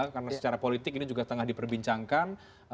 karena secara politik ini juga tengah diperbincangkan